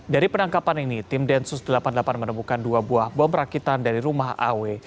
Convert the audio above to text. dari penangkapan ini tim densus delapan puluh delapan menemukan dua buah bom rakitan dari rumah aw